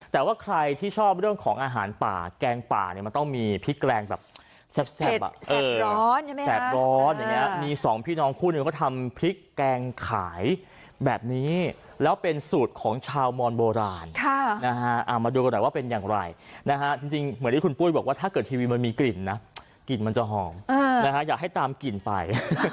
แต่ว่าใครที่ชอบเรื่องของอาหารป่าแกงป่าเนี่ยมันต้องมีพริกแกงแบบแซ่บแซ่บแซ่บแซ่บร้อนใช่ไหมครับแซ่บร้อนอย่างเงี้ยมีสองพี่น้องคู่นึงก็ทำพริกแกงขายแบบนี้แล้วเป็นสูตรของชาวมอนด์โบราณค่ะนะฮะอ่ามาดูกันได้ว่าเป็นอย่างไรนะฮะจริงจริงเหมือนที่คุณพูดบอกว่าถ้าเกิดทีวีมันมี